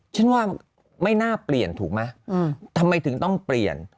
ฉันว่าไม่น่าเปลี่ยนถูกไหมทำไมถึงต้องเปลี่ยน